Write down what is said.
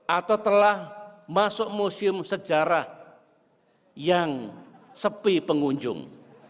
atau telah masuk museum sejarah yang sepi pengunjung